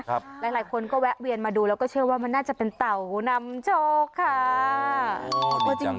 หลายคนก็แวะเวียนมาดูแล้วก็เชื่อว่ามันน่าจะเป็นเต่านำโชคค่ะ